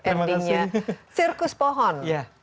endingnya sirkus pohon